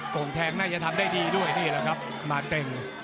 ส่งแทงน่าจะทำได้ดีด้วยนี่แหละครับมาเต็ม